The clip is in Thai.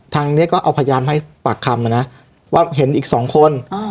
ทางนี้ก็เอาพยานมาให้ปากคำนะว่าเห็นอีกสองคน